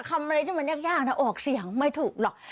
คำอะไรที่มันยากนะออกเสียงไม่ถูกหรอก